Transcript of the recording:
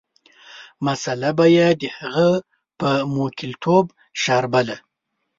مساله به یې د هغه په موکلتوب شاربله.